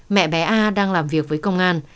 mẹ bé a đang làm việc với công an